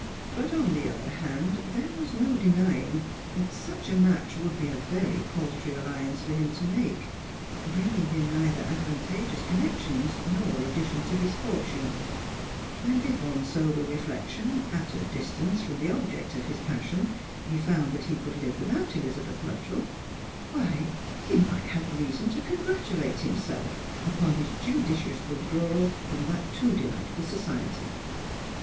But, on the other hand, there was no denying that such a match would be a very paltry alliance for him to make, bringing him neither advantageous connections nor addition to his fortune ; and if on sober reflec tion, at a distance from the object of his passion, he found that he could live without Elizabeth Luttrell, why he might have reason to congratulate himself upon his judicious withdrawal that too delightful society.